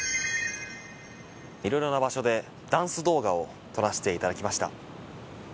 色々な場所でダンス動画を撮らせていただきました。